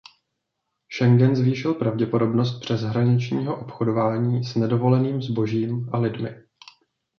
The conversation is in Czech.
Schengen zvýšil pravděpodobnost přeshraničního obchodování s nedovoleným zbožím a lidmi.